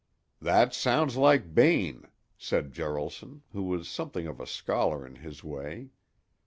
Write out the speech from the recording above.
"That sounds like Bayne," said Jaralson, who was something of a scholar in his way.